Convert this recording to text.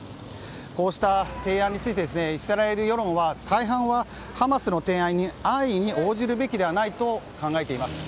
こうした提案についてイスラエル世論の大半は、ハマスの提案に安易に応じるべきではないと考えています。